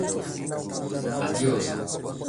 Adiosu.